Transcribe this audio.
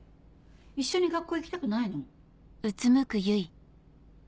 一緒に学校行きたくないの？